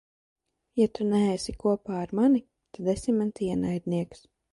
Ja tu neesi kopā ar mani, tad esi mans ienaidnieks.